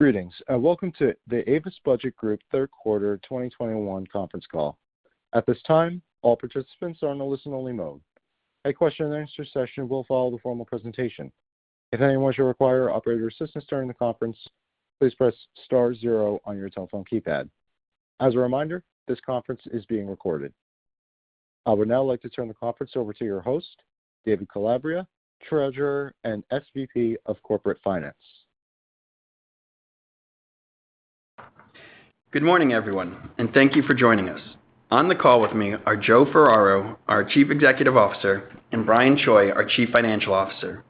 Greetings, and welcome to the Avis Budget Group third quarter 2021 conference call. At this time, all participants are in a listen-only mode. A question-and-answer session will follow the formal presentation. If anyone should require operator assistance during the conference, please press star zero on your telephone keypad. As a reminder, this conference is being recorded. I would now like to turn the conference over to your host, David Calabria, Treasurer and SVP of Corporate Finance. Good morning, everyone, and thank you for joining us. On the call with me are Joe Ferraro, our Chief Executive Officer, and Brian Choi, our Chief Financial Officer.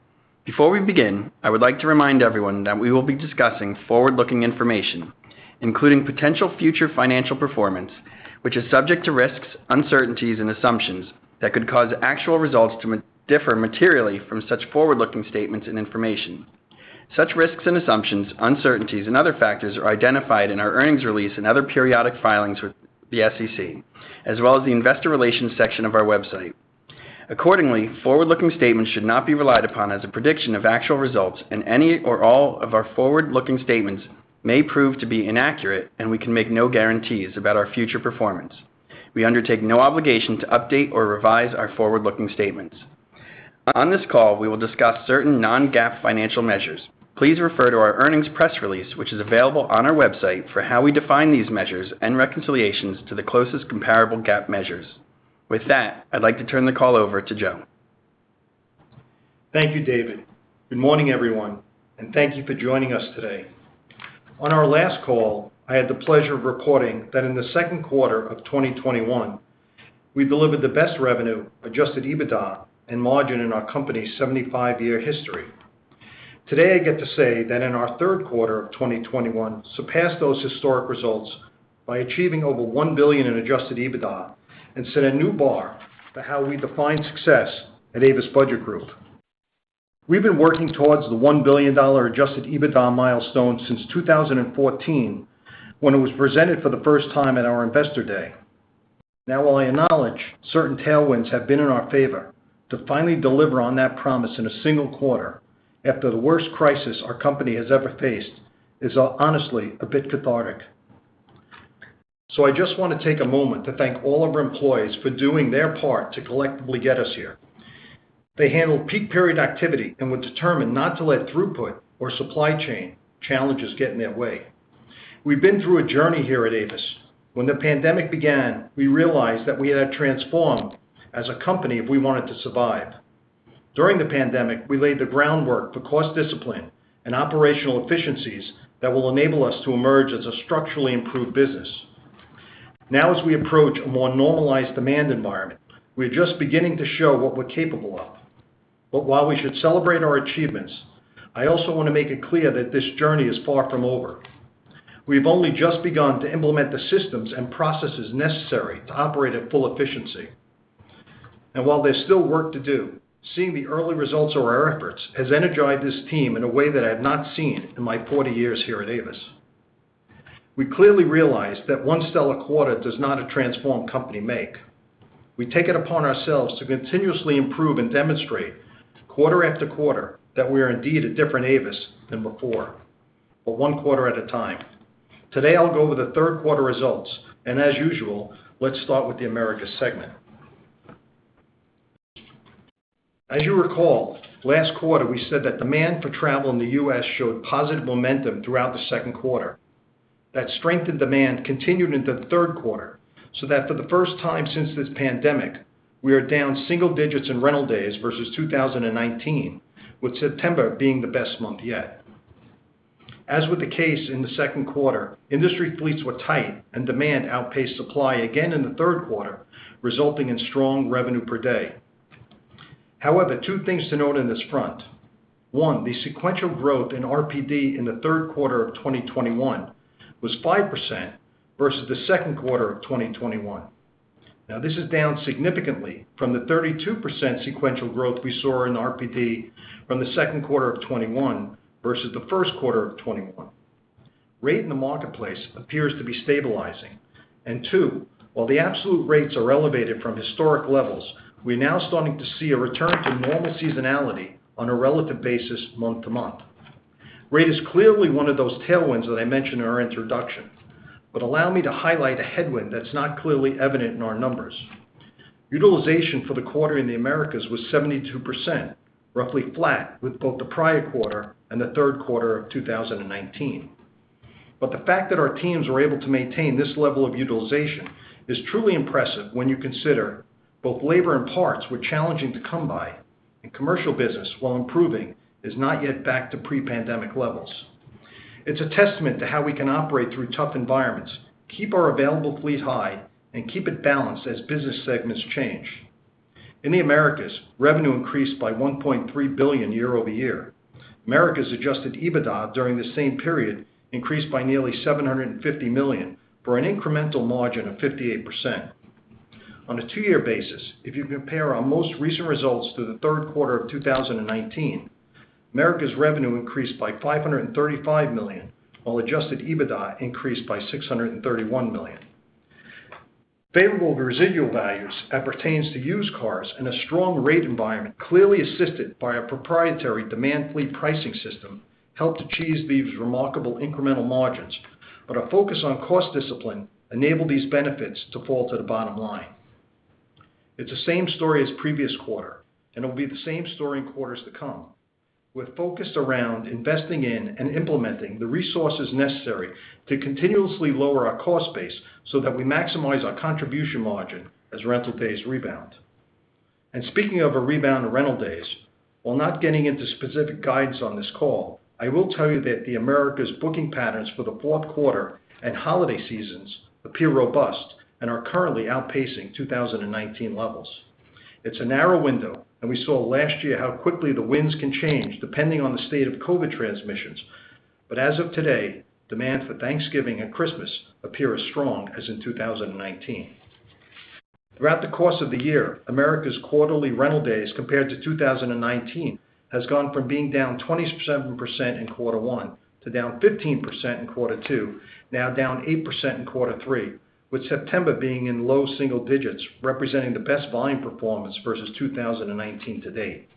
Before we begin, I would like to remind everyone that we will be discussing forward-looking information, including potential future financial performance, which is subject to risks, uncertainties, and assumptions that could cause actual results to differ materially from such forward-looking statements and information. Such risks and assumptions, uncertainties, and other factors are identified in our earnings release and other periodic filings with the SEC, as well as the investor relations section of our website. Accordingly, forward-looking statements should not be relied upon as a prediction of actual results, and any or all of our forward-looking statements may prove to be inaccurate, and we can make no guarantees about our future performance. We undertake no obligation to update or revise our forward-looking statements. On this call, we will discuss certain non-GAAP financial measures. Please refer to our earnings press release, which is available on our website for how we define these measures and reconciliations to the closest comparable GAAP measures. With that, I'd like to turn the call over to Joe. Thank you, David. Good morning, everyone, and thank you for joining us today. On our last call, I had the pleasure of reporting that in the second quarter of 2021, we delivered the best revenue, adjusted EBITDA and margin in our company's 75-year history. Today, I get to say that our third quarter of 2021 surpassed those historic results by achieving over $1 billion in adjusted EBITDA and set a new bar for how we define success at Avis Budget Group. We've been working towards the $1 billion adjusted EBITDA milestone since 2014 when it was presented for the first time at our investor day. Now, while I acknowledge certain tailwinds have been in our favor, to finally deliver on that promise in a single quarter after the worst crisis our company has ever faced is honestly a bit cathartic. I just wanna take a moment to thank all of our employees for doing their part to collectively get us here. They handled peak period activity and were determined not to let throughput or supply chain challenges get in their way. We've been through a journey here at Avis. When the pandemic began, we realized that we had transformed as a company if we wanted to survive. During the pandemic, we laid the groundwork for cost discipline and operational efficiencies that will enable us to emerge as a structurally improved business. Now, as we approach a more normalized demand environment, we're just beginning to show what we're capable of. While we should celebrate our achievements, I also wanna make it clear that this journey is far from over. We've only just begun to implement the systems and processes necessary to operate at full efficiency. While there's still work to do, seeing the early results of our efforts has energized this team in a way that I have not seen in my 40 years here at Avis. We clearly realize that one stellar quarter does not a transformed company make. We take it upon ourselves to continuously improve and demonstrate quarter after quarter that we are indeed a different Avis than before, but one quarter at a time. Today, I'll go over the third quarter results, and as usual, let's start with the Americas segment. As you recall, last quarter we said that demand for travel in the U.S. showed positive momentum throughout the second quarter. That strengthened demand continued into the third quarter, so that for the first time since this pandemic, we are down single digits in rental days versus 2019, with September being the best month yet. As with the case in the second quarter, industry fleets were tight and demand outpaced supply again in the third quarter, resulting in strong revenue per day. However, two things to note on this front. One, the sequential growth in RPD in the third quarter of 2021 was 5% versus the second quarter of 2021. Now, this is down significantly from the 32% sequential growth we saw in RPD from the second quarter of 2021 versus the first quarter of 2021. Rate in the marketplace appears to be stabilizing. Two, while the absolute rates are elevated from historic levels, we're now starting to see a return to normal seasonality on a relative basis month to month. Rate is clearly one of those tailwinds that I mentioned in our introduction, but allow me to highlight a headwind that's not clearly evident in our numbers. Utilization for the quarter in the Americas was 72%, roughly flat with both the prior quarter and the third quarter of 2019. The fact that our teams were able to maintain this level of utilization is truly impressive when you consider both labor and parts were challenging to come by, and commercial business, while improving, is not yet back to pre-pandemic levels. It's a testament to how we can operate through tough environments, keep our available fleet high, and keep it balanced as business segments change. In the Americas, revenue increased by $1.3 billion year-over-year. Americas adjusted EBITDA during the same period increased by nearly $750 million for an incremental margin of 58%. On a two-year basis, if you compare our most recent results to the third quarter of 2019, Americas revenue increased by $535 million, while adjusted EBITDA increased by $631 million. Favorable residual values as pertains to used cars and a strong rate environment clearly assisted by our proprietary demand fleet pricing system helped achieve these remarkable incremental margins. Our focus on cost discipline enabled these benefits to fall to the bottom line. It's the same story as previous quarter, and it'll be the same story in quarters to come. We're focused around investing in and implementing the resources necessary to continuously lower our cost base so that we maximize our contribution margin as rental days rebound. Speaking of a rebound of rental days, while not getting into specific guidance on this call, I will tell you that the Americas' booking patterns for the fourth quarter and holiday seasons appear robust and are currently outpacing 2019 levels. It's a narrow window, and we saw last year how quickly the winds can change depending on the state of COVID transmissions. As of today, demand for Thanksgiving and Christmas appear as strong as in 2019. Throughout the course of the year, Americas' quarterly rental days compared to 2019 has gone from being down 27% in quarter one to down 15% in quarter two, now down 8% in quarter three, with September being in low single digits, representing the best volume performance versus 2019 to date.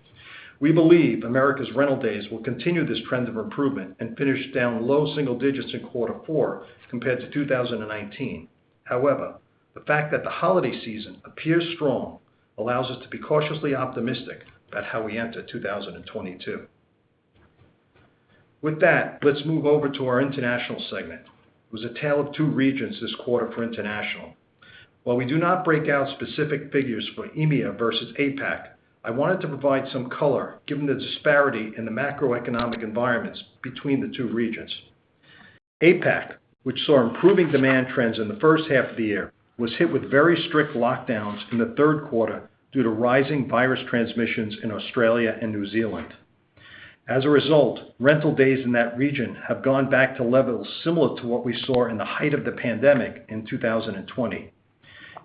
We believe America's rental days will continue this trend of improvement and finish down low single digits in quarter four compared to 2019. However, the fact that the holiday season appears strong allows us to be cautiously optimistic about how we enter 2022. With that, let's move over to our international segment. It was a tale of two regions this quarter for international. While we do not break out specific figures for EMEA versus APAC, I wanted to provide some color given the disparity in the macroeconomic environments between the two regions. APAC, which saw improving demand trends in the first half of the year, was hit with very strict lockdowns in the third quarter due to rising virus transmissions in Australia and New Zealand. As a result, rental days in that region have gone back to levels similar to what we saw in the height of the pandemic in 2020.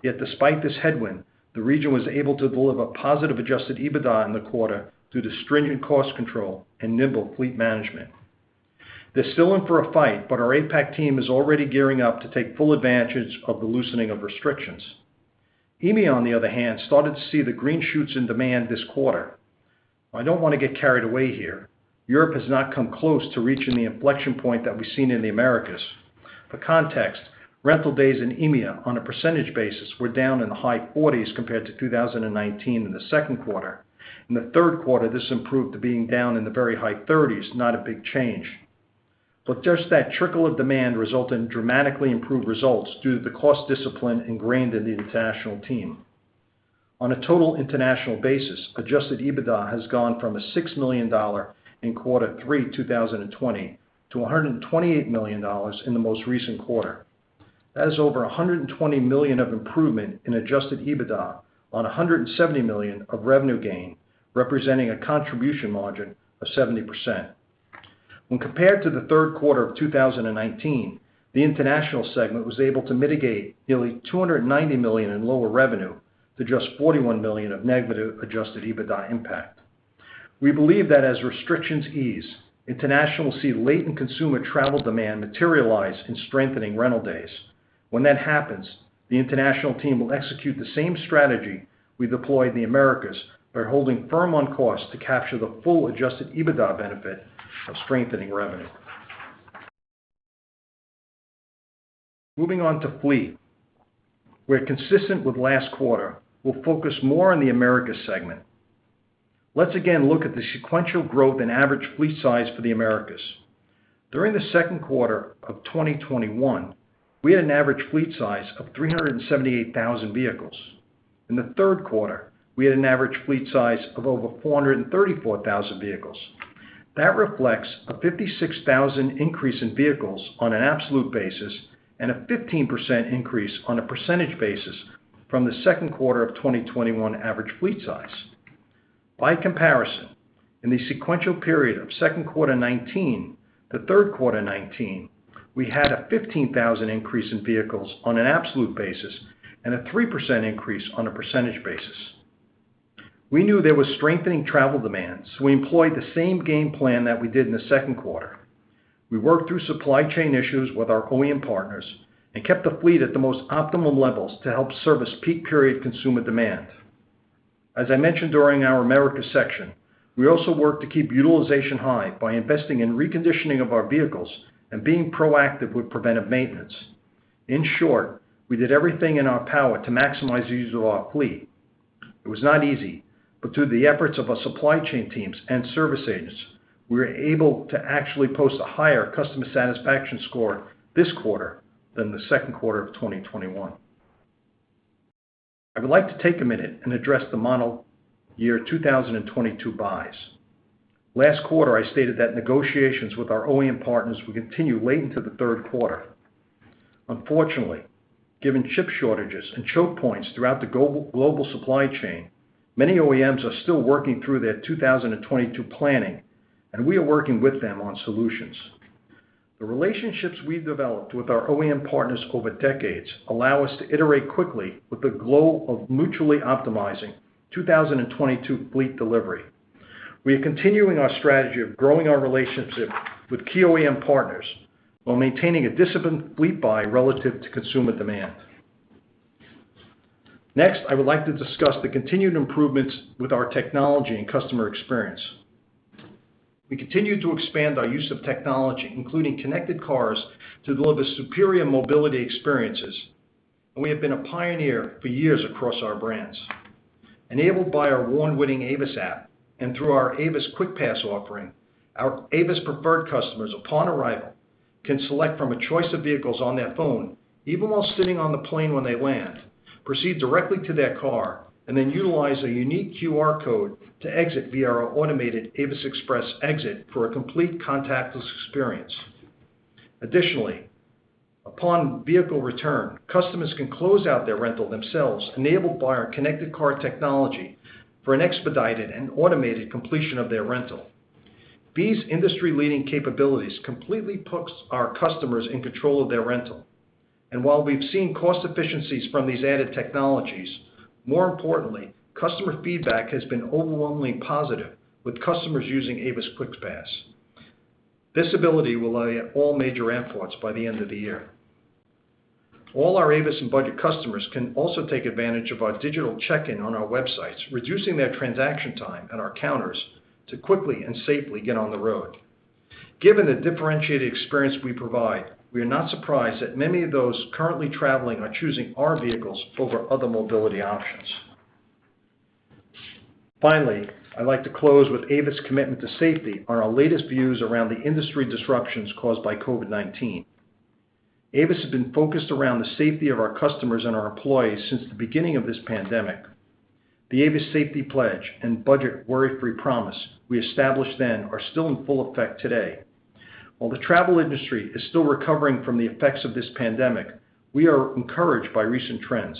Yet despite this headwind, the region was able to deliver positive adjusted EBITDA in the quarter due to stringent cost control and nimble fleet management. They're still in for a fight, but our APAC team is already gearing up to take full advantage of the loosening of restrictions. EMEA, on the other hand, started to see the green shoots in demand this quarter. I don't wanna get carried away here. Europe has not come close to reaching the inflection point that we've seen in the Americas. For context, rental days in EMEA on a percentage basis were down in the high 40s% compared to 2019 in the second quarter. In the third quarter, this improved to being down in the very high 30s, not a big change. Just that trickle of demand resulted in dramatically improved results due to the cost discipline ingrained in the international team. On a total international basis, adjusted EBITDA has gone from $6 million in Q3 2020 to $128 million in the most recent quarter. That is over $120 million of improvement in adjusted EBITDA on $170 million of revenue gain, representing a contribution margin of 70%. When compared to the third quarter of 2019, the international segment was able to mitigate nearly $290 million in lower revenue to just $41 million of negative adjusted EBITDA impact. We believe that as restrictions ease, International will see latent consumer travel demand materialize in strengthening rental days. When that happens, the International team will execute the same strategy we deployed in the Americas by holding firm on cost to capture the full adjusted EBITDA benefit of strengthening revenue. Moving on to fleet, where consistent with last quarter, we'll focus more on the Americas segment. Let's again look at the sequential growth in average fleet size for the Americas. During the second quarter of 2021, we had an average fleet size of 378,000 vehicles. In the third quarter, we had an average fleet size of over 434,000 vehicles. That reflects a 56,000 increase in vehicles on an absolute basis and a 15% increase on a percentage basis from the second quarter of 2021 average fleet size. By comparison, in the sequential period of second quarter 2019 to third quarter 2019, we had a 15,000 increase in vehicles on an absolute basis and a 3% increase on a percentage basis. We knew there was strengthening travel demand, so we employed the same game plan that we did in the second quarter. We worked through supply chain issues with our OEM partners and kept the fleet at the most optimum levels to help service peak period consumer demand. As I mentioned during our America section, we also worked to keep utilization high by investing in reconditioning of our vehicles and being proactive with preventive maintenance. In short, we did everything in our power to maximize the use of our fleet. It was not easy, but through the efforts of our supply chain teams and service agents, we were able to actually post a higher customer satisfaction score this quarter than the second quarter of 2021. I would like to take a minute and address the model year 2022 buys. Last quarter, I stated that negotiations with our OEM partners would continue late into the third quarter. Unfortunately, given chip shortages and choke points throughout the global supply chain, many OEMs are still working through their 2022 planning, and we are working with them on solutions. The relationships we've developed with our OEM partners over decades allow us to iterate quickly with the goal of mutually optimizing. 2022 fleet delivery. We are continuing our strategy of growing our relationship with key OEM partners while maintaining a disciplined fleet buy relative to consumer demand. Next, I would like to discuss the continued improvements with our technology and customer experience. We continue to expand our use of technology, including connected cars to deliver superior mobility experiences, and we have been a pioneer for years across our brands. Enabled by our award-winning Avis app and through our Avis QuickPass offering, our Avis Preferred customers, upon arrival, can select from a choice of vehicles on their phone, even while sitting on the plane when they land, proceed directly to their car, and then utilize a unique QR code to exit via our automated Avis Express exit for a complete contactless experience. Additionally, upon vehicle return, customers can close out their rental themselves, enabled by our Connected Car technology for an expedited and automated completion of their rental. These industry-leading capabilities completely put our customers in control of their rental. While we've seen cost efficiencies from these added technologies, more importantly, customer feedback has been overwhelmingly positive with customers using Avis QuickPass. This ability will be at all major airports by the end of the year. All our Avis and Budget customers can also take advantage of our digital check-in on our websites, reducing their transaction time at our counters to quickly and safely get on the road. Given the differentiated experience we provide, we are not surprised that many of those currently traveling are choosing our vehicles over other mobility options. Finally, I'd like to close with Avis's commitment to safety and our latest views around the industry disruptions caused by COVID-19. Avis has been focused around the safety of our customers and our employees since the beginning of this pandemic. The Avis Safety Pledge and Budget Worry-Free Promise we established then are still in full effect today. While the travel industry is still recovering from the effects of this pandemic, we are encouraged by recent trends.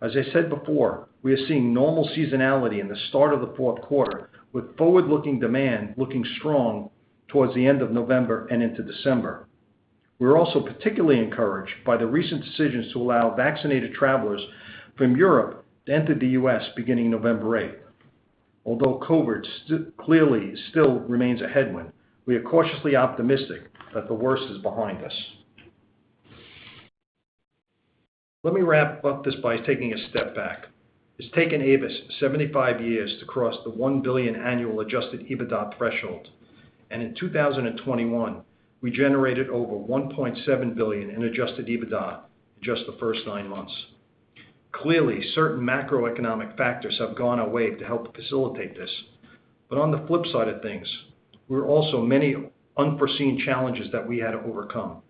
As I said before, we are seeing normal seasonality in the start of the fourth quarter, with forward-looking demand looking strong towards the end of November and into December. We're also particularly encouraged by the recent decisions to allow vaccinated travelers from Europe to enter the U.S. beginning November 8. Although COVID clearly still remains a headwind, we are cautiously optimistic that the worst is behind us. Let me wrap up this by taking a step back. It's taken Avis 75 years to cross the $1 billion annual adjusted EBITDA threshold, and in 2021, we generated over $1.7 billion in adjusted EBITDA in just the first nine months. Clearly, certain macroeconomic factors have gone our way to help facilitate this. On the flip side of things, there were also many unforeseen challenges that we had to overcome.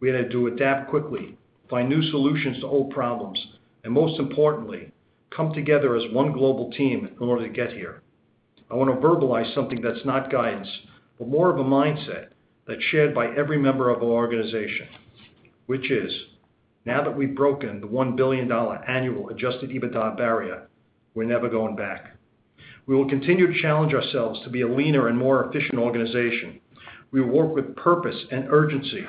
We had to adapt quickly, find new solutions to old problems, and most importantly, come together as one global team in order to get here. I wanna verbalize something that's not guidance, but more of a mindset that's shared by every member of our organization, which is, now that we've broken the $1 billion annual adjusted EBITDA barrier, we're never going back. We will continue to challenge ourselves to be a leaner and more efficient organization. We will work with purpose and urgency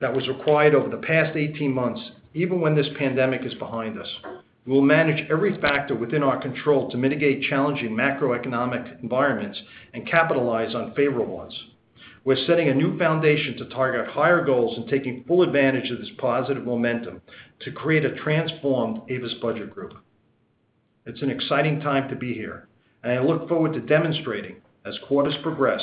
that was required over the past 18 months, even when this pandemic is behind us. We will manage every factor within our control to mitigate challenging macroeconomic environments and capitalize on favorable ones. We're setting a new foundation to target higher goals and taking full advantage of this positive momentum to create a transformed Avis Budget Group. It's an exciting time to be here, and I look forward to demonstrating as quarters progress,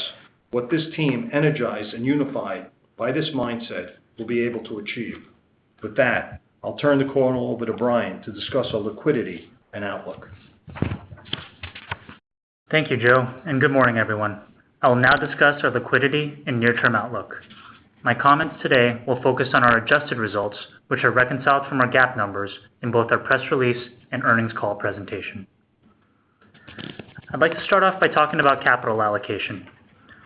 what this team energized and unified by this mindset will be able to achieve. With that, I'll turn the call over to Brian to discuss our liquidity and outlook. Thank you, Joe, and good morning, everyone. I will now discuss our liquidity and near-term outlook. My comments today will focus on our adjusted results, which are reconciled from our GAAP numbers in both our press release and earnings call presentation. I'd like to start off by talking about capital allocation.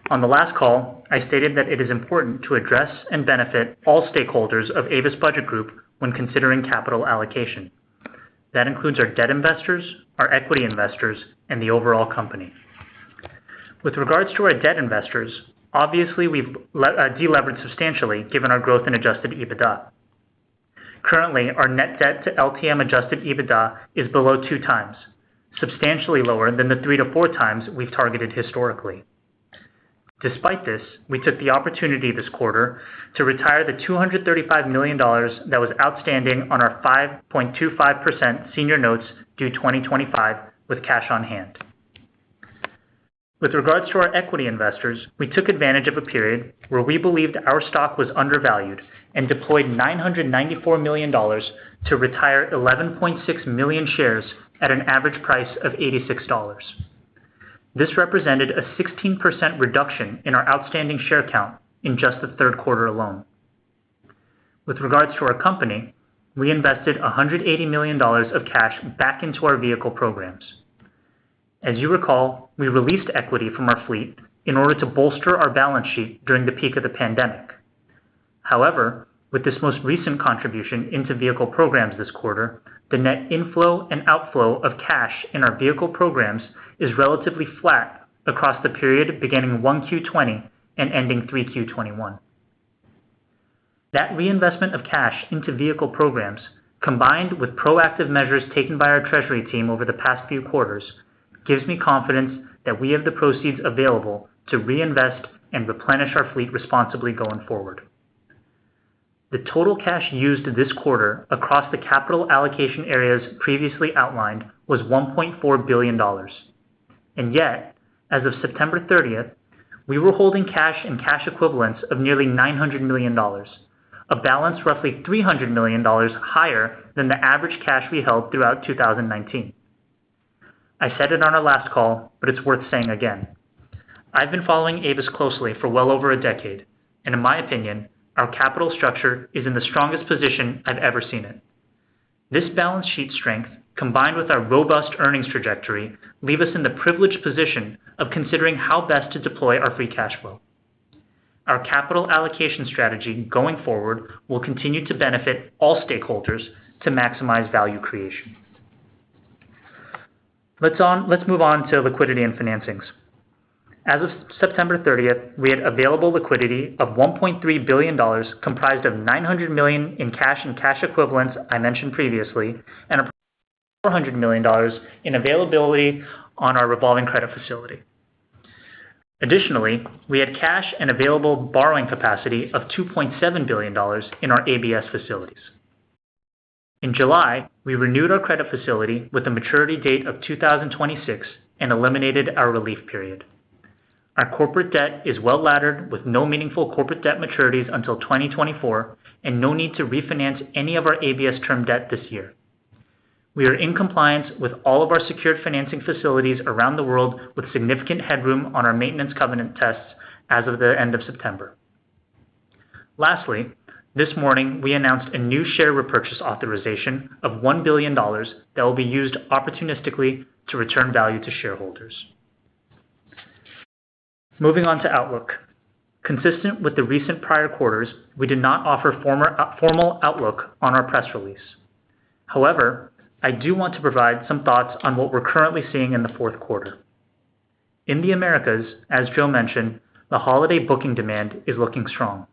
On the last call, I stated that it is important to address and benefit all stakeholders of Avis Budget Group when considering capital allocation. That includes our debt investors, our equity investors, and the overall company. With regards to our debt investors, obviously, we've deleveraged substantially given our growth in adjusted EBITDA. Currently, our net debt to LTM adjusted EBITDA is below 2x, substantially lower than the 3x-4x we've targeted historically. Despite this, we took the opportunity this quarter to retire $235 million that was outstanding on our 5.25% senior notes due 2025 with cash on hand. With regards to our equity investors, we took advantage of a period where we believed our stock was undervalued and deployed $994 million to retire 11.6 million shares at an average price of $86. This represented a 16% reduction in our outstanding share count in just the third quarter alone. With regards to our company, we invested $180 million of cash back into our vehicle programs. As you recall, we released equity from our fleet in order to bolster our balance sheet during the peak of the pandemic. However, with this most recent contribution into vehicle programs this quarter, the net inflow and outflow of cash in our vehicle programs is relatively flat across the period beginning 1Q 2020 and ending 3Q 2021. That reinvestment of cash into vehicle programs, combined with proactive measures taken by our treasury team over the past few quarters, gives me confidence that we have the proceeds available to reinvest and replenish our fleet responsibly going forward. The total cash used this quarter across the capital allocation areas previously outlined was $1.4 billion. Yet, as of September 30th, we were holding cash and cash equivalents of nearly $900 million, a balance roughly $300 million higher than the average cash we held throughout 2019. I said it on our last call, but it's worth saying again. I've been following Avis closely for well over a decade, and in my opinion, our capital structure is in the strongest position I've ever seen it. This balance sheet strength, combined with our robust earnings trajectory, leave us in the privileged position of considering how best to deploy our free cash flow. Our capital allocation strategy going forward will continue to benefit all stakeholders to maximize value creation. Let's move on to liquidity and financings. As of September thirtieth, we had available liquidity of $1.3 billion, comprised of $900 million in cash and cash equivalents I mentioned previously, and approximately $400 million in availability on our revolving credit facility. Additionally, we had cash and available borrowing capacity of $2.7 billion in our ABS facilities. In July, we renewed our credit facility with a maturity date of 2026 and eliminated our relief period. Our corporate debt is well-laddered with no meaningful corporate debt maturities until 2024 and no need to refinance any of our ABS term debt this year. We are in compliance with all of our secured financing facilities around the world with significant headroom on our maintenance covenant tests as of the end of September. Lastly, this morning, we announced a new share repurchase authorization of $1 billion that will be used opportunistically to return value to shareholders. Moving on to outlook. Consistent with the recent prior quarters, we did not offer formal outlook on our press release. However, I do want to provide some thoughts on what we're currently seeing in the fourth quarter. In the Americas, as Joe mentioned, the holiday booking demand is looking strong.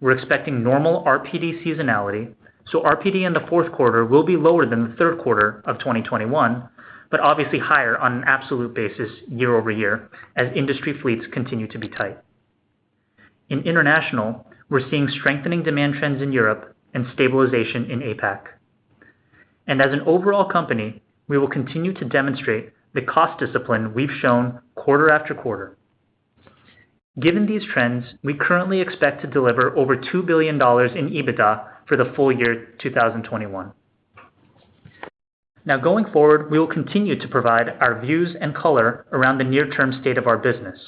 We're expecting normal RPD seasonality, so RPD in the fourth quarter will be lower than the third quarter of 2021, but obviously higher on an absolute basis year-over-year as industry fleets continue to be tight. In international, we're seeing strengthening demand trends in Europe and stabilization in APAC. As an overall company, we will continue to demonstrate the cost discipline we've shown quarter after quarter. Given these trends, we currently expect to deliver over $2 billion in EBITDA for the full year 2021. Now going forward, we will continue to provide our views and color around the near-term state of our business.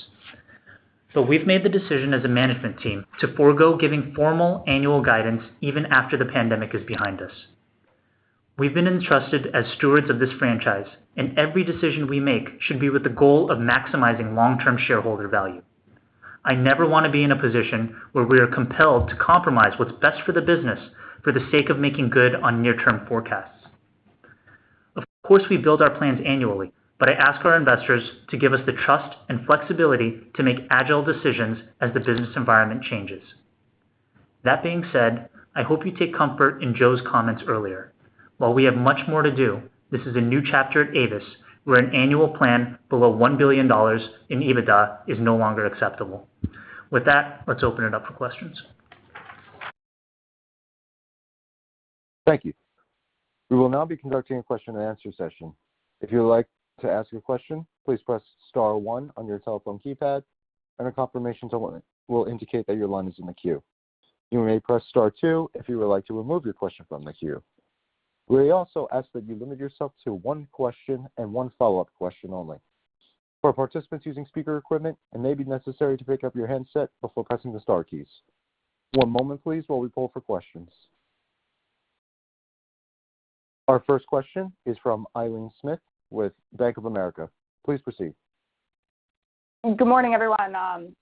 We've made the decision as a management team to forgo giving formal annual guidance even after the pandemic is behind us. We've been entrusted as stewards of this franchise, and every decision we make should be with the goal of maximizing long-term shareholder value. I never want to be in a position where we are compelled to compromise what's best for the business for the sake of making good on near-term forecasts. Of course, we build our plans annually, but I ask our investors to give us the trust and flexibility to make agile decisions as the business environment changes. That being said, I hope you take comfort in Joe's comments earlier. While we have much more to do, this is a new chapter at Avis where an annual plan below $1 billion in EBITDA is no longer acceptable. With that, let's open it up for questions. Thank you. We will now be conducting a question-and-answer session. If you would like to ask a question, please press star one on your telephone keypad, and a confirmation tone will indicate that your line is in the queue. You may press star two if you would like to remove your question from the queue. We also ask that you limit yourself to one question and one follow-up question only. For participants using speaker equipment, it may be necessary to pick up your handset before pressing the star keys. One moment, please, while we poll for questions. Our first question is from Aileen Smith with Bank of America. Please proceed. Good morning, everyone.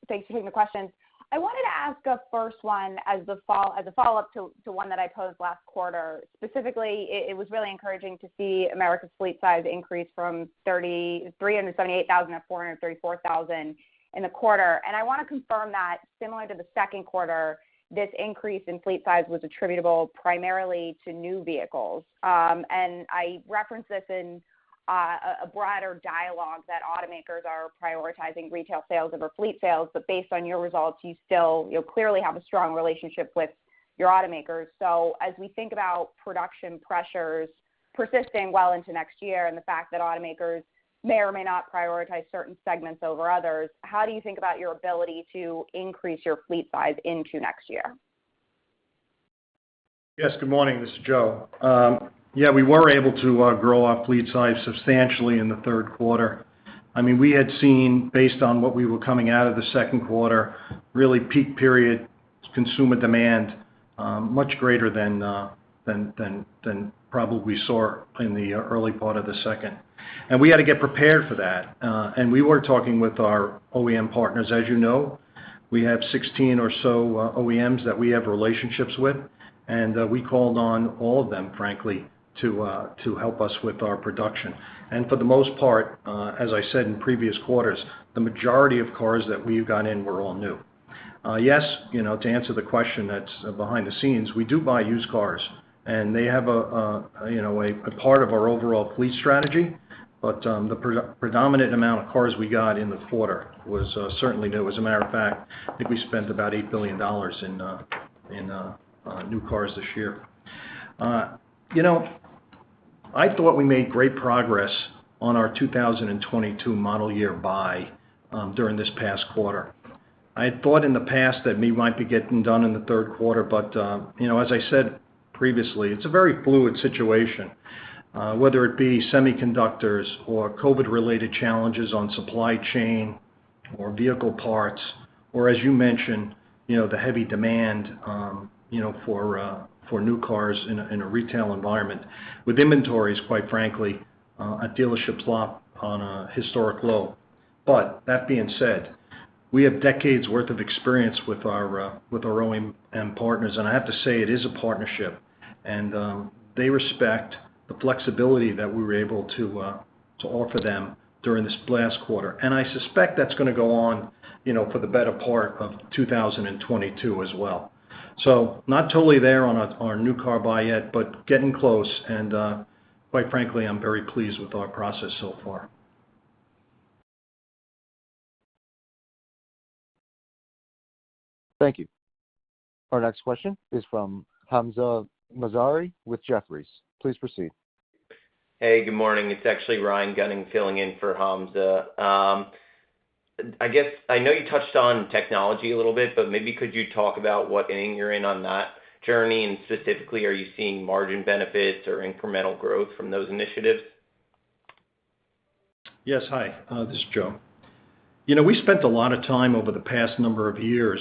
Thanks for taking the questions. I wanted to ask a first one as a follow-up to one that I posed last quarter. Specifically, it was really encouraging to see Avis's fleet size increase from 337,800 to 434,000 in the quarter. I wanna confirm that similar to the second quarter, this increase in fleet size was attributable primarily to new vehicles. I reference this in a broader dialogue that automakers are prioritizing retail sales over fleet sales. Based on your results, you still, you know, clearly have a strong relationship with your automakers. As we think about production pressures persisting well into next year and the fact that automakers may or may not prioritize certain segments over others, how do you think about your ability to increase your fleet size into next year? Yes. Good morning. This is Joe. Yeah, we were able to grow our fleet size substantially in the third quarter. I mean, we had seen, based on what we were coming out of the second quarter, really peak period consumer demand, much greater than probably we saw in the early part of the second. We had to get prepared for that. We were talking with our OEM partners. As you know, we have 16 or so OEMs that we have relationships with. We called on all of them, frankly, to help us with our production. For the most part, as I said in previous quarters, the majority of cars that we've got in were all new. Yes, you know, to answer the question that's behind the scenes, we do buy used cars, and they have a you know a part of our overall fleet strategy. The predominant amount of cars we got in the quarter was certainly new. As a matter of fact, I think we spent about $8 billion in new cars this year. You know, I thought we made great progress on our 2022 model year buy during this past quarter. I had thought in the past that we might be getting done in the third quarter, but, you know, as I said previously, it's a very fluid situation, whether it be semiconductors or COVID-related challenges on supply chain or vehicle parts or as you mentioned, you know, the heavy demand, you know, for new cars in a retail environment with inventories, quite frankly, dealership lots at a historic low. But that being said, we have decades' worth of experience with our OEM partners, and I have to say it is a partnership. They respect the flexibility that we were able to offer them during this last quarter. I suspect that's gonna go on, you know, for the better part of 2022 as well. Not totally there on a new car buy yet, but getting close. Quite frankly, I'm very pleased with our process so far. Thank you. Our next question is from Hamza Mazari with Jefferies. Please proceed. Hey, good morning. It's actually Ryan Gunning filling in for Hamza. I guess I know you touched on technology a little bit, but maybe could you talk about what inning you're in on that journey? And specifically, are you seeing margin benefits or incremental growth from those initiatives? Yes. Hi, this is Joe. You know, we spent a lot of time over the past number of years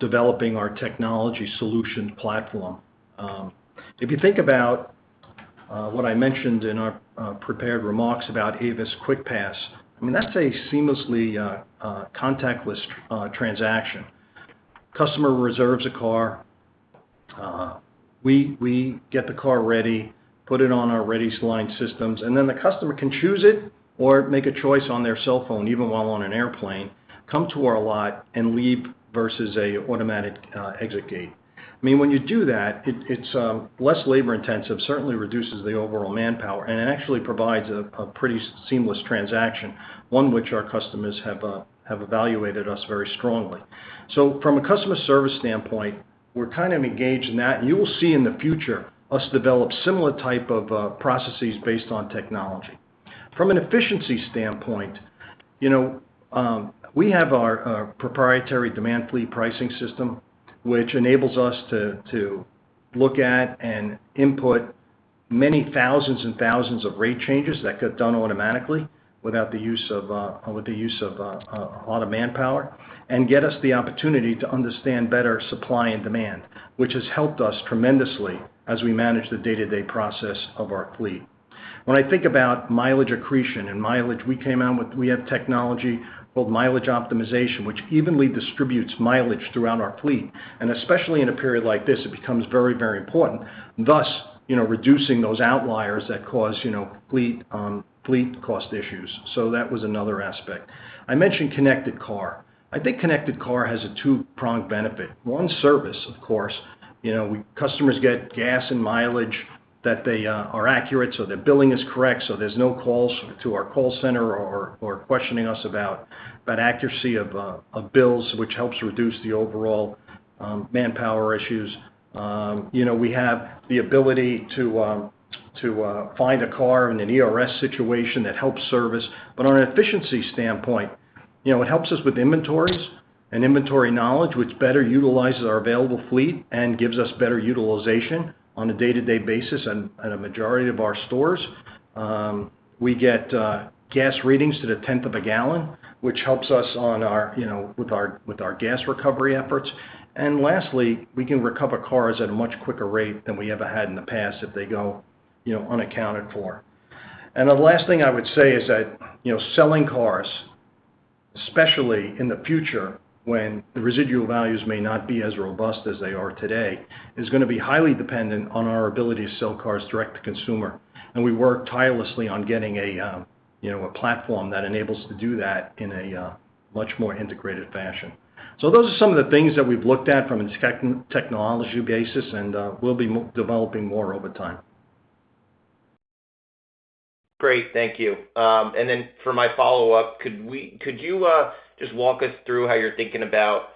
developing our technology solution platform. If you think about what I mentioned in our prepared remarks about Avis QuickPass, I mean, that's a seamlessly contactless transaction. Customer reserves a car, we get the car ready, put it on our ready line systems, and then the customer can choose it or make a choice on their cell phone, even while on an airplane, come to our lot and leave versus an automatic exit gate. I mean, when you do that, it's less labor-intensive, certainly reduces the overall manpower, and it actually provides a pretty seamless transaction, one which our customers have evaluated us very strongly. From a customer service standpoint, we're kind of engaged in that. You will see in the future us develop similar type of processes based on technology. From an efficiency standpoint, you know, we have our proprietary demand fleet pricing system, which enables us to look at and input many thousands and thousands of rate changes that get done automatically without the use of a lot of manpower and get us the opportunity to understand better supply and demand, which has helped us tremendously as we manage the day-to-day process of our fleet. When I think about mileage allocation and mileage, we have technology called mileage optimization, which evenly distributes mileage throughout our fleet, and especially in a period like this, it becomes very, very important, thus, you know, reducing those outliers that cause, you know, fleet cost issues. That was another aspect. I mentioned Connected Car. I think Connected Car has a two-pronged benefit. One, service, of course, you know, customers get gas and mileage that they are accurate, so their billing is correct, so there's no calls to our call center or questioning us about that accuracy of bills, which helps reduce the overall manpower issues. You know, we have the ability to find a car in an ERS situation that helps service. But on an efficiency standpoint, you know, it helps us with inventories and inventory knowledge, which better utilizes our available fleet and gives us better utilization on a day-to-day basis at a majority of our stores. We get gas readings to the tenth of a gallon, which helps us on our, you know, with our gas recovery efforts. Lastly, we can recover cars at a much quicker rate than we ever had in the past if they go, you know, unaccounted for. The last thing I would say is that, you know, selling cars, especially in the future when the residual values may not be as robust as they are today, is gonna be highly dependent on our ability to sell cars direct to consumer. We work tirelessly on getting a, you know, a platform that enables to do that in a much more integrated fashion. Those are some of the things that we've looked at from a technology basis, and we'll be developing more over time. Great. Thank you. Then for my follow-up, could you just walk us through how you're thinking about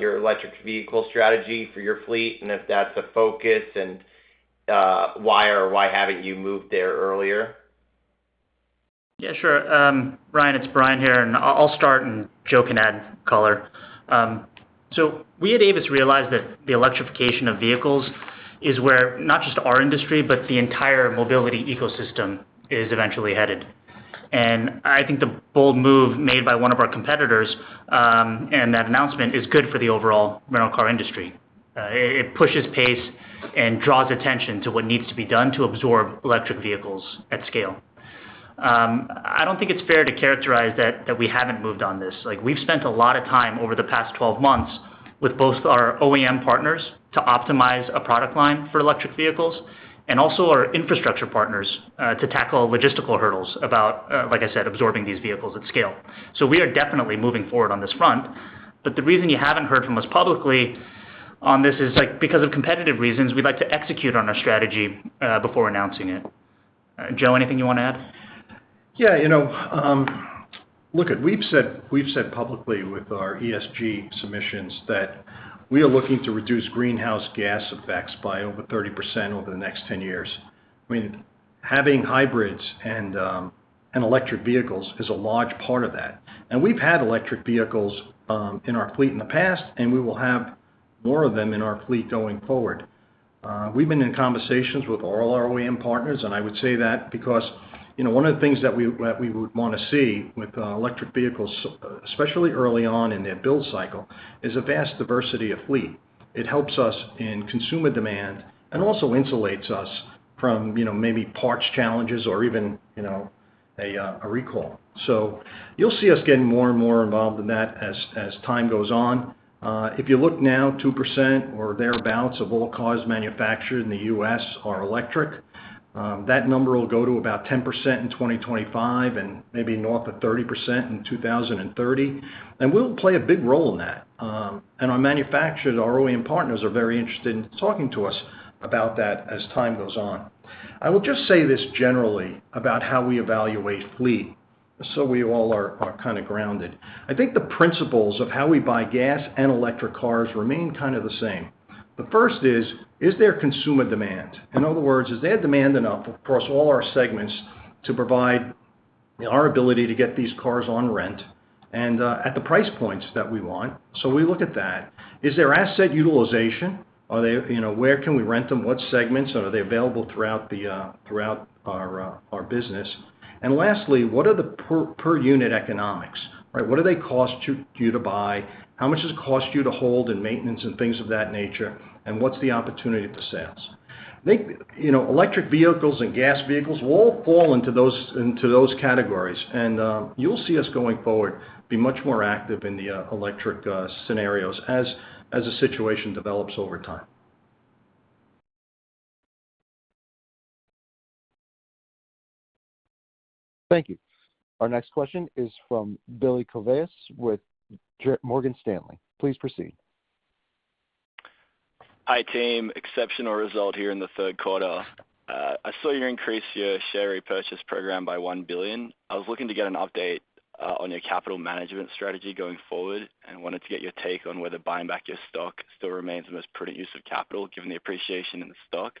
your electric vehicle strategy for your fleet, and if that's a focus, and why or why haven't you moved there earlier? Yeah, sure. Ryan, it's Brian here, and I'll start, and Joe can add color. We at Avis realized that the electrification of vehicles is where not just our industry, but the entire mobility ecosystem is eventually headed. I think the bold move made by one of our competitors, and that announcement is good for the overall rental car industry. It pushes pace and draws attention to what needs to be done to absorb electric vehicles at scale. I don't think it's fair to characterize that we haven't moved on this. Like, we've spent a lot of time over the past 12 months with both our OEM partners to optimize a product line for electric vehicles and also our infrastructure partners, to tackle logistical hurdles about, like I said, absorbing these vehicles at scale. We are definitely moving forward on this front. The reason you haven't heard from us publicly on this is, like, because of competitive reasons, we'd like to execute on our strategy before announcing it. Joe, anything you wanna add? Yeah, you know, look it, we've said publicly with our ESG submissions that we are looking to reduce greenhouse gas effects by over 30% over the next 10 years. I mean, having hybrids and electric vehicles is a large part of that. We've had electric vehicles in our fleet in the past, and we will have more of them in our fleet going forward. We've been in conversations with all our OEM partners, and I would say that because, you know, one of the things that we would wanna see with electric vehicles, especially early on in their build cycle, is a vast diversity of fleet. It helps us in consumer demand and also insulates us from, you know, maybe parts challenges or even, you know, a recall. You'll see us getting more and more involved in that as time goes on. If you look now, 2% or thereabouts of all cars manufactured in the U.S. are electric. That number will go to about 10% in 2025 and maybe north of 30% in 2030. We'll play a big role in that. Our manufacturers and our OEM partners are very interested in talking to us about that as time goes on. I will just say this generally about how we evaluate fleet. We all are kind of grounded. I think the principles of how we buy gas and electric cars remain kind of the same. The first is there consumer demand? In other words, is there demand enough across all our segments to provide our ability to get these cars on rent and at the price points that we want? We look at that. Is there asset utilization? Are they? You know, where can we rent them? What segments? Are they available throughout our business? Lastly, what are the per unit economics, right? What do they cost you to buy? How much does it cost you to hold in maintenance and things of that nature, and what's the opportunity of the sales? I think, you know, electric vehicles and gas vehicles will all fall into those categories. You'll see us going forward be much more active in the electric scenarios as the situation develops over time. Thank you. Our next question is from Billy Kovanis with Morgan Stanley. Please proceed. Hi, team. Exceptional result here in the third quarter. I saw you increase your share repurchase program by $1 billion. I was looking to get an update on your capital management strategy going forward and wanted to get your take on whether buying back your stock still remains the most prudent use of capital, given the appreciation in the stock.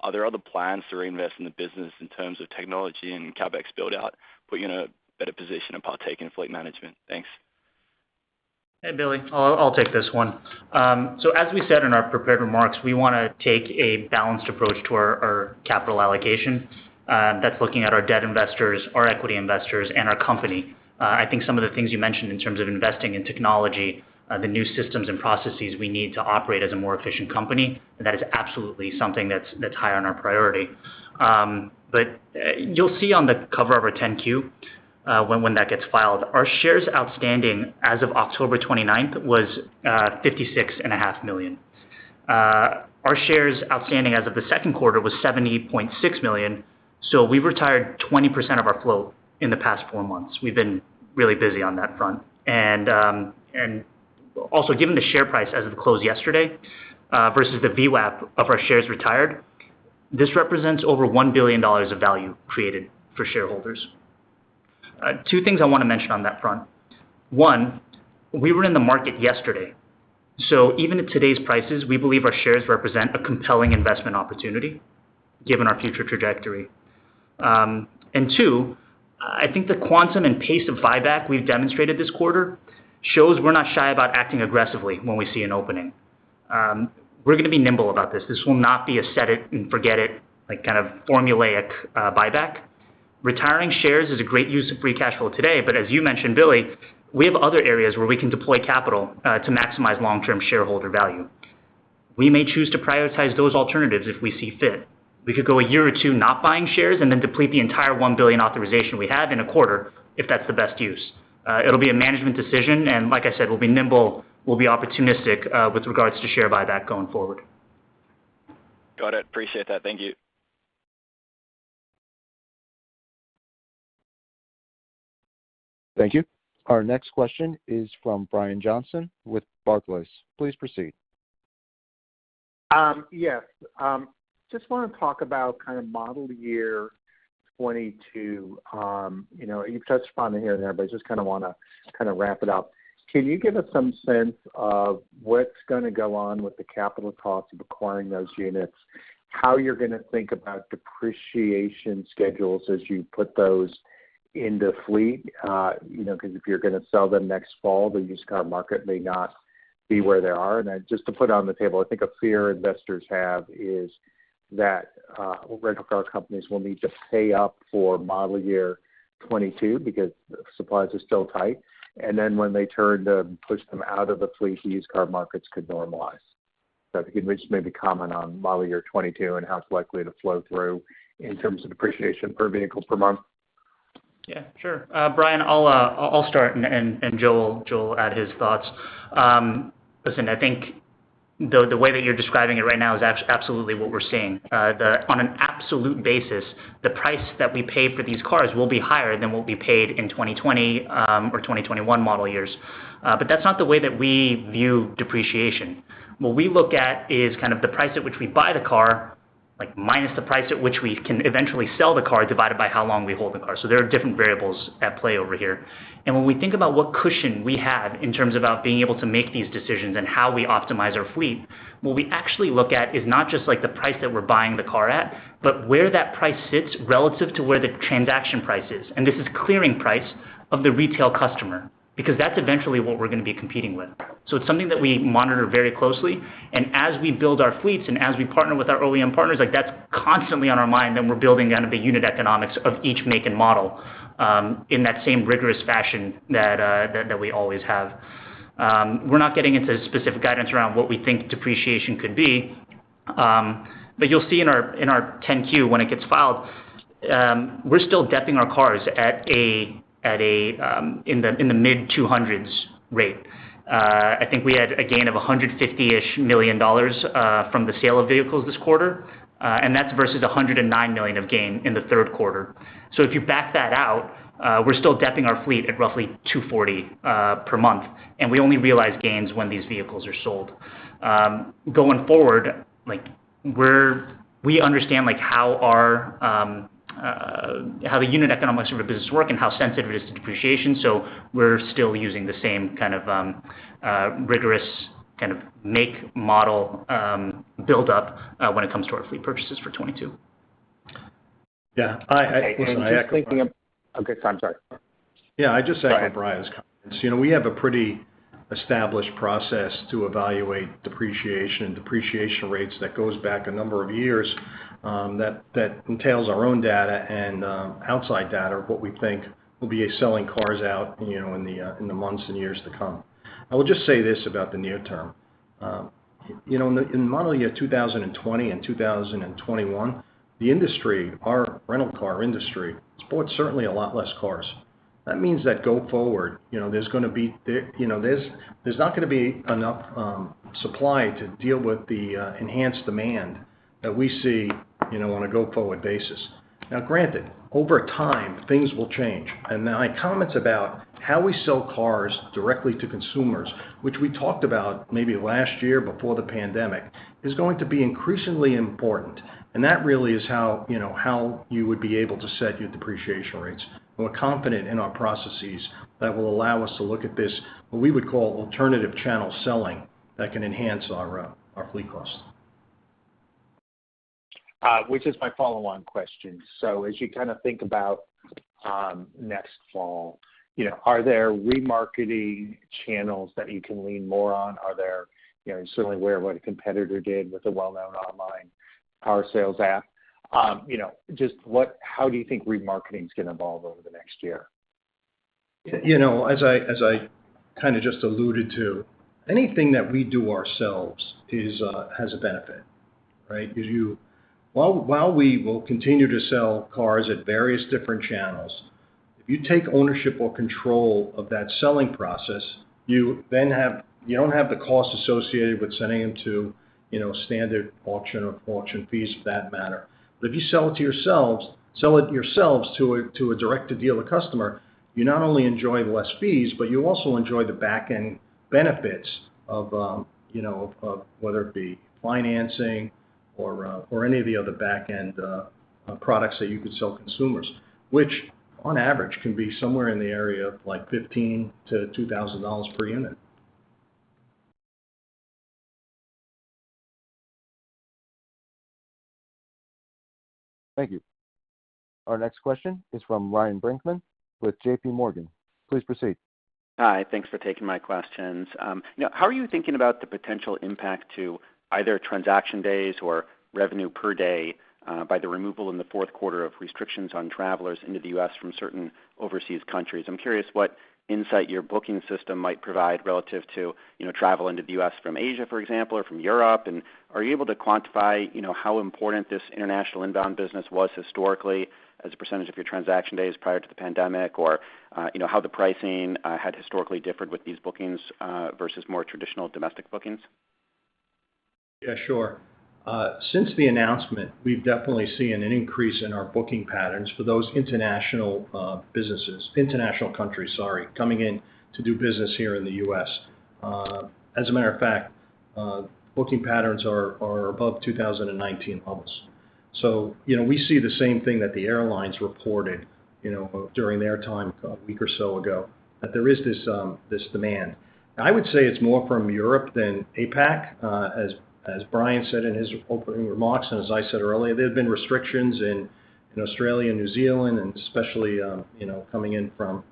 Are there other plans to reinvest in the business in terms of technology and CapEx build-out, put you in a better position to partake in fleet management? Thanks. Hey, Billy, I'll take this one. As we said in our prepared remarks, we wanna take a balanced approach to our capital allocation, that's looking at our debt investors, our equity investors, and our company. I think some of the things you mentioned in terms of investing in technology, the new systems and processes we need to operate as a more efficient company, that is absolutely something that's high on our priority. You'll see on the cover of our 10-Q, when that gets filed, our shares outstanding as of October 29th was 56.5 million. Our shares outstanding as of the second quarter was 70.6 million, so we've retired 20% of our float in the past four months. We've been really busy on that front. Also, given the share price as of the close yesterday, versus the VWAP of our shares retired, this represents over $1 billion of value created for shareholders. Two things I wanna mention on that front. One, we were in the market yesterday, so even at today's prices, we believe our shares represent a compelling investment opportunity given our future trajectory. Two, I think the quantum and pace of buyback we've demonstrated this quarter shows we're not shy about acting aggressively when we see an opening. We're gonna be nimble about this. This will not be a set it and forget it, like, kind of formulaic buyback. Retiring shares is a great use of free cash flow today, but as you mentioned, Billy, we have other areas where we can deploy capital to maximize long-term shareholder value. We may choose to prioritize those alternatives if we see fit. We could go a year or two not buying shares and then deplete the entire $1 billion authorization we have in a quarter if that's the best use. It'll be a management decision, and like I said, we'll be nimble, we'll be opportunistic, with regards to share buyback going forward. Got it. Appreciate that. Thank you. Thank you. Our next question is from Brian Johnson with Barclays. Please proceed. Yes. Just wanna talk about kind of model year 2022. You know, you've touched upon it here and there, but I just kinda wanna kind of wrap it up. Can you give us some sense of what's gonna go on with the capital costs of acquiring those units, how you're gonna think about depreciation schedules as you put those into fleet? You know, 'cause if you're gonna sell them next fall, the used car market may not be where they are. Then just to put it on the table, I think a fear investors have is that, rental car companies will need to pay up for model year 2022 because supplies are still tight, and then when they turn to push them out of the fleet, the used car markets could normalize. If you can just maybe comment on model year 2022 and how it's likely to flow through in terms of depreciation per vehicle per month. Yeah, sure. Brian, I'll start and Joe Ferraro will add his thoughts. Listen, I think the way that you're describing it right now is absolutely what we're seeing. On an absolute basis, the price that we pay for these cars will be higher than what we paid in 2020 or 2021 model years. But that's not the way that we view depreciation. What we look at is kind of the price at which we buy the car, like, minus the price at which we can eventually sell the car, divided by how long we hold the car. There are different variables at play over here. When we think about what cushion we have in terms about being able to make these decisions and how we optimize our fleet, what we actually look at is not just, like, the price that we're buying the car at, but where that price sits relative to where the transaction price is. This is clearing price of the retail customer, because that's eventually what we're gonna be competing with. It's something that we monitor very closely. As we build our fleets and as we partner with our OEM partners, like, that's constantly on our mind when we're building kind of the unit economics of each make and model in that same rigorous fashion that we always have. We're not getting into specific guidance around what we think depreciation could be. You'll see in our 10-Q when it gets filed, we're still depreciating our cars at a mid-200s rate. I think we had a gain of $150-ish million from the sale of vehicles this quarter, and that's versus a $109 million gain in the third quarter. If you back that out, we're still depreciating our fleet at roughly $240 per month, and we only realize gains when these vehicles are sold. Going forward, like, we understand, like, how the unit economics of our business work and how sensitive it is to depreciation, so we're still using the same kind of, rigorous kind of make, model, build up when it comes to our fleet purchases for 2022. Yeah. Just thinking of Listen, I echo. Okay. I'm sorry. Yeah. I'd just echo Brian's comments. You know, we have a pretty established process to evaluate depreciation and depreciation rates that goes back a number of years, that entails our own data and outside data of what we think will be selling cars out, you know, in the months and years to come. I will just say this about the near term. You know, in model year 2020 and 2021, the industry, our rental car industry, has certainly a lot less cars. That means that go forward, you know, there's gonna be. You know, there's not gonna be enough supply to deal with the enhanced demand that we see, you know, on a go-forward basis. Now granted, over time, things will change. Then my comments about how we sell cars directly to consumers, which we talked about maybe last year before the pandemic, is going to be increasingly important, and that really is how, you know, how you would be able to set your depreciation rates. We're confident in our processes that will allow us to look at this, what we would call alternative channel selling, that can enhance our our fleet costs. Which is my follow-on question. As you kind of think about next fall, you know, are there remarketing channels that you can lean more on? Are there. You know, you're certainly aware of what a competitor did with a well-known online car sales app. You know, just how do you think remarketing is gonna evolve over the next year? You know, I kind of just alluded to, anything that we do ourselves has a benefit, right? Because while we will continue to sell cars at various different channels, if you take ownership or control of that selling process, you then don't have the costs associated with sending them to, you know, standard auction or auction fees for that matter. If you sell it to yourselves to a direct-to-dealer customer, you not only enjoy less fees, but you also enjoy the back-end benefits of, you know, whether it be financing or any of the other back-end products that you could sell consumers, which on average can be somewhere in the area of, like, $15-$2,000 per unit. Thank you. Our next question is from Ryan Brinkman with JPMorgan. Please proceed. Hi. Thanks for taking my questions. You know, how are you thinking about the potential impact to either transaction days or revenue per day by the removal in the fourth quarter of restrictions on travelers into the U.S. from certain overseas countries? I'm curious what insight your booking system might provide relative to, you know, travel into the U.S. from Asia, for example, or from Europe. Are you able to quantify, you know, how important this international inbound business was historically as a percentage of your transaction days prior to the pandemic or, you know, how the pricing had historically differed with these bookings versus more traditional domestic bookings? Yeah, sure. Since the announcement, we've definitely seen an increase in our booking patterns for those international countries coming in to do business here in the U.S. As a matter of fact, booking patterns are above 2019 levels. You know, we see the same thing that the airlines reported, you know, during their time a week or so ago, that there is this demand. I would say it's more from Europe than APAC. As Brian said in his opening remarks and as I said earlier, there have been restrictions in Australia and New Zealand and especially coming in from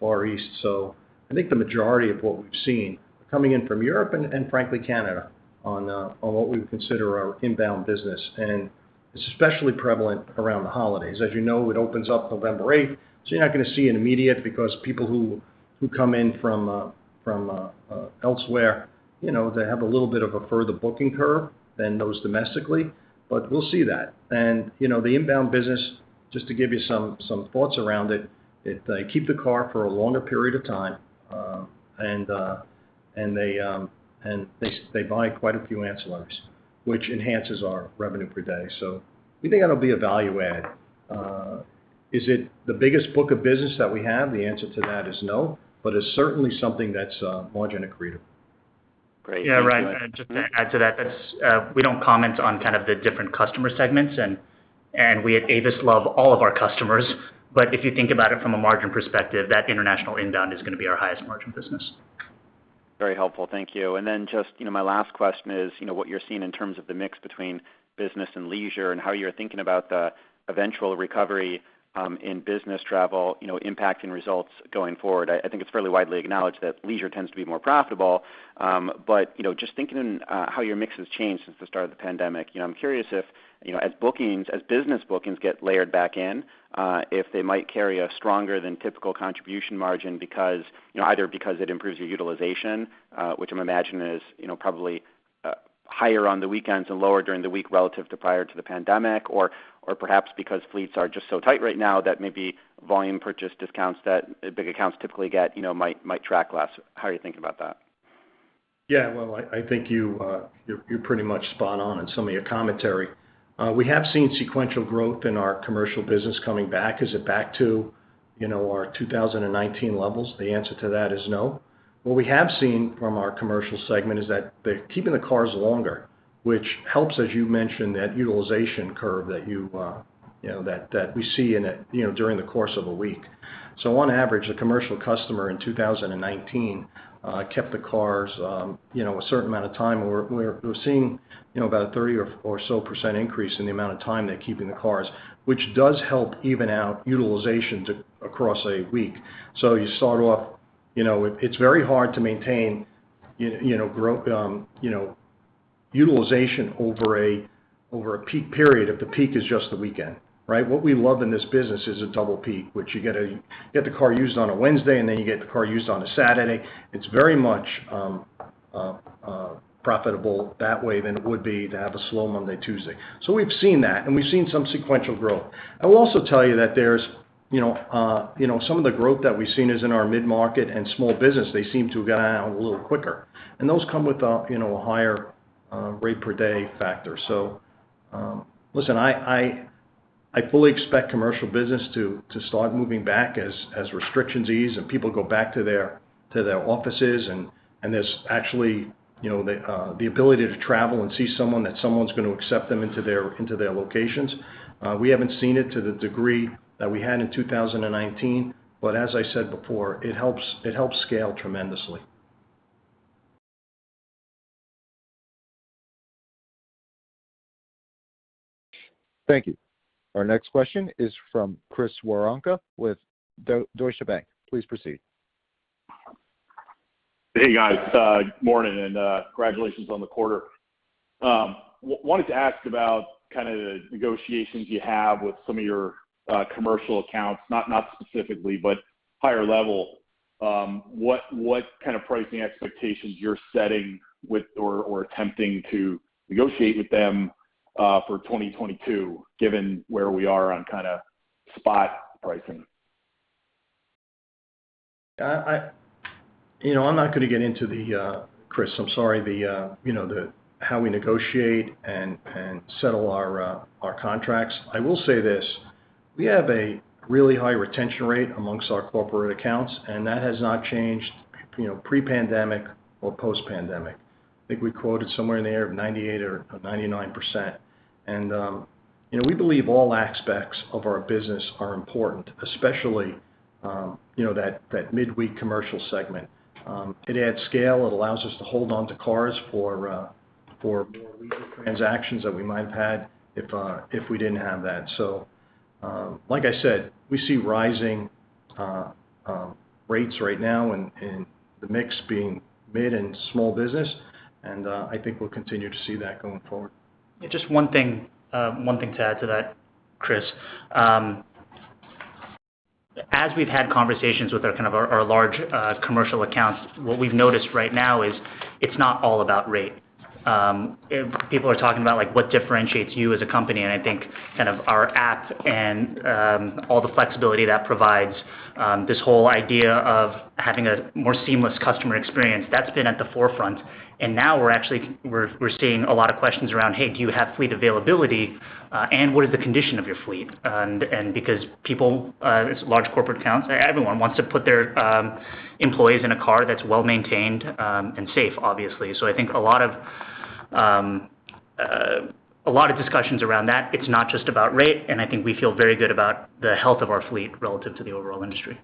Far East. I think the majority of what we've seen are coming in from Europe and frankly, Canada on what we would consider our inbound business. It's especially prevalent around the holidays. As you know, it opens up November eighth. You're not gonna see it immediately because people who come in from elsewhere, you know, they have a little bit of a further booking curve than those domestically, but we'll see that. You know, the inbound business, just to give you some thoughts around it, they keep the car for a longer period of time, and they buy quite a few ancillaries, which enhances our revenue per day. We think that'll be a value add. Is it the biggest book of business that we have? The answer to that is no, but it's certainly something that's margin accretive. Great. Thank you much. Yeah, Ryan, just to add to that's. We don't comment on kind of the different customer segments, and we at Avis love all of our customers, but if you think about it from a margin perspective, that international inbound is gonna be our highest margin business. Very helpful, thank you. Just, you know, my last question is, you know, what you're seeing in terms of the mix between business and leisure and how you're thinking about the eventual recovery, in business travel, you know, impacting results going forward. I think it's fairly widely acknowledged that leisure tends to be more profitable, but you know, just thinking how your mix has changed since the start of the pandemic, you know, I'm curious if, you know, as business bookings get layered back in, if they might carry a stronger than typical contribution margin because, you know, either because it improves your utilization, which I'm imagining is, you know, probably higher on the weekends and lower during the week relative to prior to the pandemic, or perhaps because fleets are just so tight right now that maybe volume purchase discounts that big accounts typically get, you know, might track less. How are you thinking about that? Yeah. Well, I think you're pretty much spot on in some of your commentary. We have seen sequential growth in our commercial business coming back. Is it back to, you know, our 2019 levels? The answer to that is no. What we have seen from our commercial segment is that they're keeping the cars longer, which helps, as you mentioned, that utilization curve that you know that we see during the course of a week. So on average, a commercial customer in 2019 kept the cars you know a certain amount of time. We're seeing you know about a 30% or so increase in the amount of time they're keeping the cars, which does help even out utilization across a week. So you start off. It's very hard to maintain, you know, grow utilization over a peak period if the peak is just the weekend, right? What we love in this business is a double peak, which you get the car used on a Wednesday, and then you get the car used on a Saturday. It's very much profitable that way than it would be to have a slow Monday, Tuesday. We've seen that, and we've seen some sequential growth. I will also tell you that there's, you know, some of the growth that we've seen is in our mid-market and small business. They seem to have gotten out a little quicker, and those come with a, you know, a higher rate per day factor. Listen, I fully expect commercial business to start moving back as restrictions ease and people go back to their offices, and there's actually, you know, the ability to travel and see someone, that someone's gonna accept them into their locations. We haven't seen it to the degree that we had in 2019, but as I said before, it helps scale tremendously. Thank you. Our next question is from Chris Woronka with Deutsche Bank. Please proceed. Hey, guys. Morning, and congratulations on the quarter. Wanted to ask about kind of the negotiations you have with some of your commercial accounts, not specifically, but higher level, what kind of pricing expectations you're setting with or attempting to negotiate with them for 2022, given where we are on kinda spot pricing. You know, I'm not gonna get into the, Chris, I'm sorry, the you know, the how we negotiate and settle our our contracts. I will say this, we have a really high retention rate amongst our corporate accounts, and that has not changed, you know, pre-pandemic or post-pandemic. I think we quoted somewhere in the area of 98% or 99%. You know, we believe all aspects of our business are important, especially, you know, that midweek commercial segment. It adds scale. It allows us to hold onto cars for more leisure transactions that we might have had if we didn't have that. Like I said, we see rising rates right now and the mix being made in small business, and I think we'll continue to see that going forward. Yeah, just one thing to add to that, Chris. As we've had conversations with our kind of large commercial accounts, what we've noticed right now is it's not all about rate. People are talking about, like, what differentiates you as a company, and I think kind of our app and all the flexibility that provides, this whole idea of having a more seamless customer experience, that's been at the forefront. Now we're actually seeing a lot of questions around, "Hey, do you have fleet availability and what is the condition of your fleet?" Because people large corporate accounts, everyone wants to put their employees in a car that's well-maintained and safe, obviously. I think a lot of discussions around that. It's not just about rate, and I think we feel very good about the health of our fleet relative to the overall industry.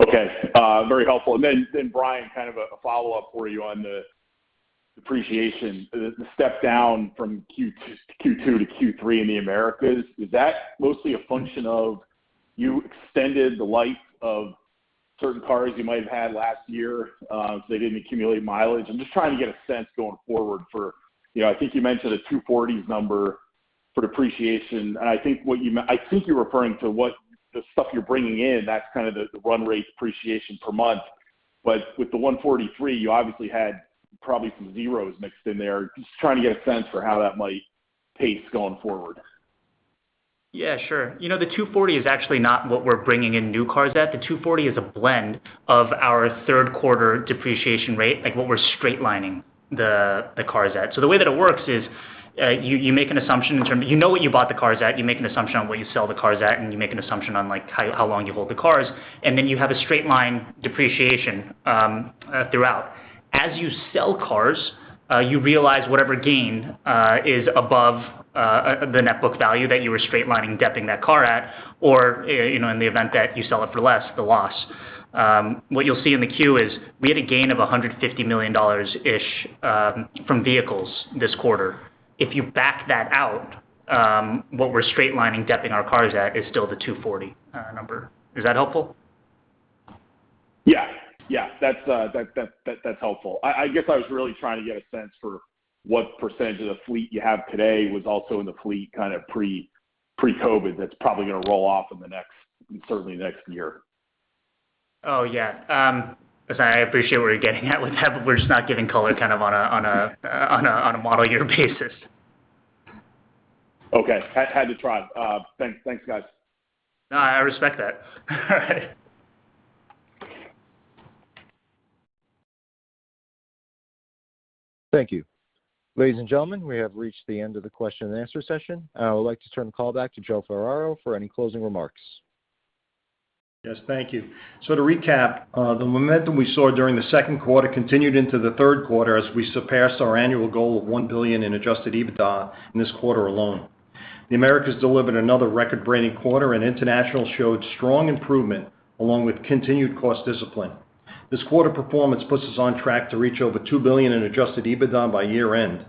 Okay. Very helpful. Then, Brian, kind of a follow-up for you on the depreciation, the step down from Q2 to Q3 in the Americas. Is that mostly a function of you extended the life of certain cars you might have had last year, they didn't accumulate mileage. I'm just trying to get a sense going forward for, you know, I think you mentioned a $240 number for depreciation. I think you're referring to what the stuff you're bringing in, that's kind of the run rate depreciation per month. But with the $143, you obviously had probably some zeros mixed in there. Just trying to get a sense for how that might pace going forward. Yeah, sure. You know, the $240 is actually not what we're bringing in new cars at. The $240 is a blend of our third quarter depreciation rate, like what we're straight-lining the cars at. The way that it works is, you make an assumption on what you bought the cars at, you make an assumption on what you sell the cars at, and you make an assumption on, like, how long you hold the cars, and then you have a straight-line depreciation throughout. As you sell cars, you realize whatever gain is above the net book value that you were straight-lining depreciating that car at, or, you know, in the event that you sell it for less, the loss. What you'll see in the Q is we had a gain of $150 million-ish from vehicles this quarter. If you back that out, what we're straight-lining depreciation our cars at is still the 240 number. Is that helpful? Yeah. That's helpful. I guess I was really trying to get a sense for what percentage of the fleet you have today was also in the fleet kind of pre-COVID that's probably gonna roll off in the next, certainly next year. Oh, yeah. Listen, I appreciate where you're getting at with that, but we're just not giving color kind of on a model year basis. Okay. Had to try. Thanks, guys. No, I respect that. Thank you. Ladies and gentlemen, we have reached the end of the question and answer session. I would like to turn the call back to Joe Ferraro for any closing remarks. Yes, thank you. To recap, the momentum we saw during the second quarter continued into the third quarter as we surpassed our annual goal of $1 billion in adjusted EBITDA in this quarter alone. The Americas delivered another record-breaking quarter, and International showed strong improvement along with continued cost discipline. This quarter performance puts us on track to reach over $2 billion in adjusted EBITDA by year-end.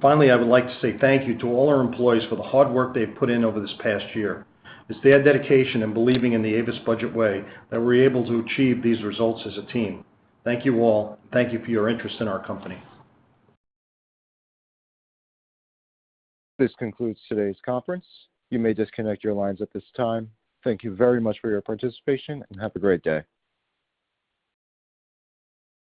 Finally, I would like to say thank you to all our employees for the hard work they've put in over this past year. It's their dedication and believing in the Avis Budget way that we're able to achieve these results as a team. Thank you all. Thank you for your interest in our company. This concludes today's conference. You may disconnect your lines at this time. Thank you very much for your participation, and have a great day.